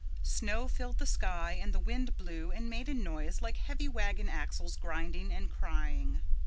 Snow filled the sky and the wind blew and made a noise like heavy wagon axles grinding and crying.